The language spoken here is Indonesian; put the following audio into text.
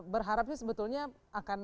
berharap sebetulnya akan